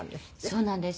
そうなんです。